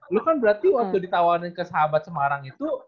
lu kan berarti waktu ditawarin ke sahabat semarang itu